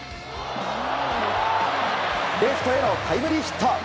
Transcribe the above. レフトへのタイムリーヒット。